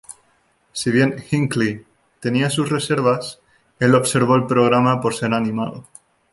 Si bien Hinckley tenía sus reservas, el observó el programa por ser "animado".